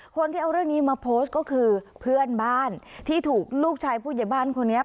คนที่เอาเรื่องนี้มาโพสต์ก็คือเพื่อนบ้านที่ถูกลูกชายผู้ใหญ่บ้านคนนี้